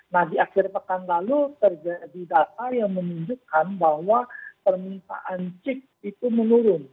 nah di akhir pekan lalu terjadi data yang menunjukkan bahwa permintaan chick itu menurun